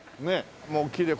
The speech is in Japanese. もうきれい。